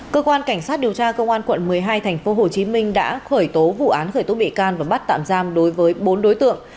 cơ quan cảnh sát điều tra công an quận một mươi hai tp hcm đã khởi tố vụ án khởi tố bị can và bắt tạm giam đối với bốn đối tượng